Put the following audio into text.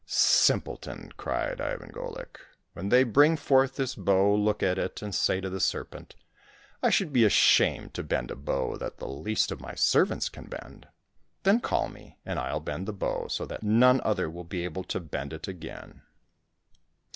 " Simpleton !" cried Ivan Golik, " when they bring forth this bow, look at it, and say to the serpent, ' I should be ashamed to bend a bow that the least of my servants can bend !' Then call me, and I'll bend the bow so that none other will be able to bend it again."